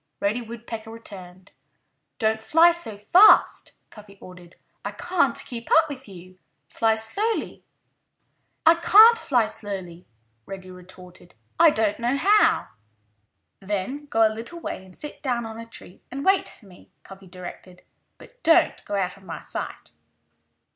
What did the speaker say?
Reddy Woodpecker returned. "Don't fly so fast," Cuffy ordered. "I can't keep up with you. Fly slowly!" "I can't fly slowly," Reddy retorted. "I don't know how." "Then go a little way and sit down on a tree and wait for me," Cuffy directed. "But don't go out of my sight!"